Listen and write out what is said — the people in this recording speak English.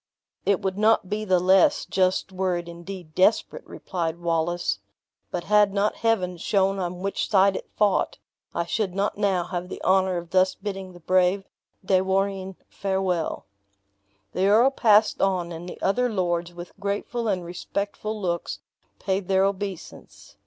"It would not be the less just were it indeed desparate," replied Wallace; "but had not Heaven shown on which side it fought, I should not now have the honor of thus bidding the brave De Warenne farewell." The earl passed on, and the other lords, with grateful and respectful looks, paid their obeisance.